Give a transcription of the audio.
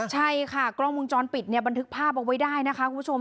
ใช่ค่ะกล้องวงจรปิดเนี่ยบันทึกภาพเอาไว้ได้นะคะคุณผู้ชม